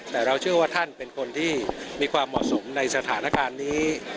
แต่เราเชื่อว่าท่านเป็นคนที่มีความเหมาะสมในสถานการณ์นี้